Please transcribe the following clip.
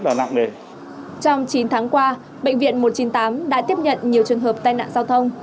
trong chín tháng qua bệnh viện một trăm chín mươi tám đã tiếp nhận nhiều trường hợp tai nạn giao thông